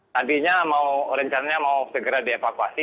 nantinya mau rencananya mau segera dievakuasi